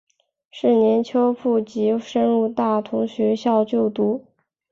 是年秋赴沪升入大同学校就读。